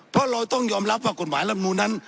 เพราะเราต้องยอมรับว่ากฎหมายรัฐมนูนนั้น